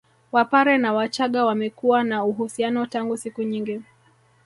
Wapare na wachaga wamekuwa na uhusiano tangu siku nyingi